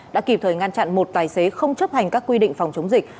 đã kịp thời ngăn chặn một tài xế không chấp hành các quy định phòng chống dịch